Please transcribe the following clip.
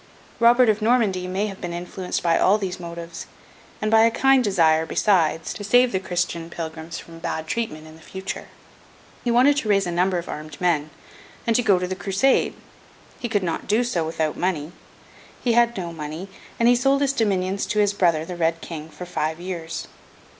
Robert of Normandy may have been influenced by all these motives; and by a kind desire, besides, to save the Christian Pilgrims from bad treatment in future. He wanted to raise a number of armed men, and to go to the Crusade. He could not do so without money. He had no money; and he sold his dominions to his brother, the Red King, for five years.